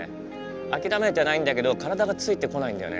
諦めてはないんだけど体がついてこないんだよね